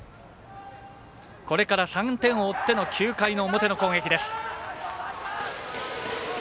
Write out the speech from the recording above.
これから３点を追っての９回の表の攻撃です。